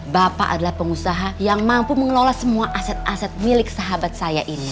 bapak adalah pengusaha yang mampu mengelola semua aset aset milik sahabat saya ini